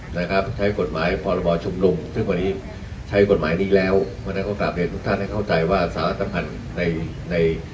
นะครับใช้กฎหมายพรบชุมนุมซึ่งวันนี้ใช้กฎหมายนี้แล้วเพราะฉะนั้นก็กลับเรียนทุกท่านให้เข้าใจว่าสารสำคัญในใน